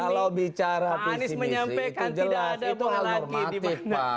kalau bicara visi visi itu jelas itu hal normatif pak